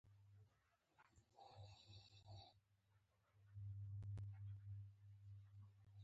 وزې د شپې پر کټار ته ستنېږي